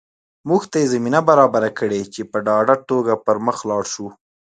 موږ ته یې زمینه برابره کړې چې په ډاډه توګه پر مخ لاړ شو